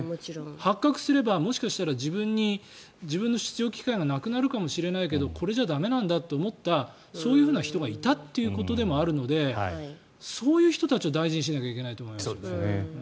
発覚すれば、もしかしたら自分の出場機会がなくなるかもしれないけどこれじゃ駄目だと思ったそういう人がいたということでもあるのでそういう人たちを大事にしなければいけないと思います。